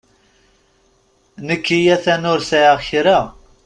Nekki a-t-an ur sɛiɣ kra.